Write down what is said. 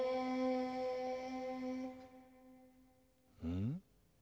うん？